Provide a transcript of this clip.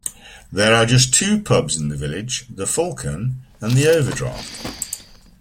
There are just two pubs in the village: "The Falcon" and "The Overdraught".